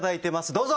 どうぞ！